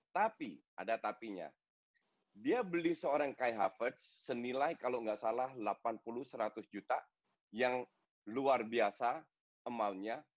tapi ada tapi nya dia beli seorang kai havertz senilai kalo gak salah delapan puluh seratus juta yang luar biasa amountnya